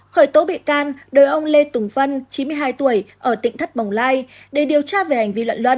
khởi tố bị can đối ông lê tùng vân chín mươi hai tuổi ở tỉnh thất bồng lai để điều tra về hành vi luận luân